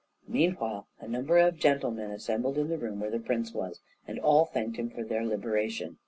Meanwhile a number of gentlemen assembled in the room where the prince was, and all thanked him for their liberation.